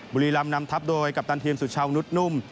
บุรีรำนำทับโดยกัปตันทีมสุชาวนุษย์นุ่ม